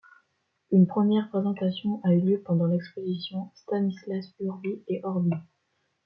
Une première présentation a eu lieu pendant l’exposition Stanislas Urbi et Orbi.